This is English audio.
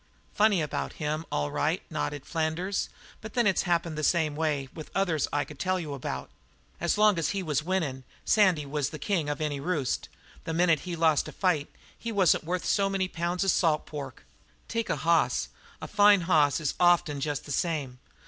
"Funny about him, all right," nodded Flanders, "but then it's happened the same way with others I could tell about. As long as he was winnin' Sandy was the king of any roost. The minute he lost a fight he wasn't worth so many pounds of salt pork. Take a hoss; a fine hoss is often jest the same.